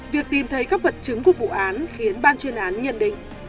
việc tìm thấy các vật chứng của vụ án khiến ban chuyên án nhận định